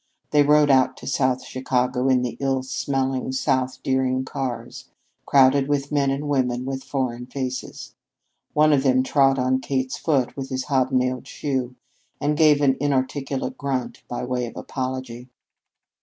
They rode out to South Chicago on the ill smelling South Deering cars, crowded with men and women with foreign faces. One of the men trod on Kate's foot with his hobnailed shoe and gave an inarticulate grunt by way of apology.